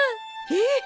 えっ？